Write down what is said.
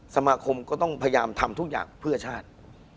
สมาคมก็ต้องพยายามทำทุกอย่างเพื่อชาติ